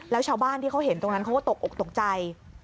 แล้วชาวบ้านที่เขาเห็นตรงนั้นเขาก็ตกอกตกใจ